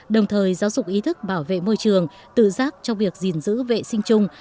đồng thời giáo dục ý thức bảo vệ môi trường tự giác trong việc gìn giữ vệ sinh chung